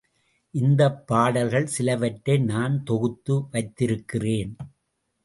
இந்தப் பாடல்கள் சிலவற்றை நான் தொகுத்து வைத்திருக்கிறேன்.